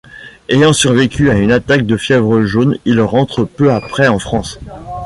Ayant survécu à une attaque de fièvre jaune, il rentre peu après en France.